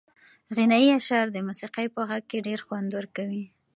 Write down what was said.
غنایي اشعار د موسیقۍ په غږ کې ډېر خوند ورکوي.